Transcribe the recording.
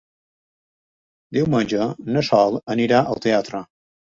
Diumenge na Sol anirà al teatre.